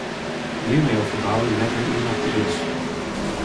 Gean mei jo ferbouwing net oer ien nacht iis.